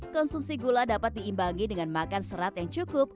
konsumsi gula dapat diimbangi dengan makan serat yang cukup